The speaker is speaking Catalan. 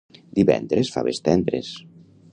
Divendres faves tendres